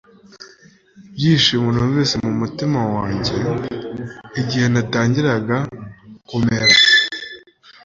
ibyishimo numvise mumutima wanjye igihe natangiraga kumera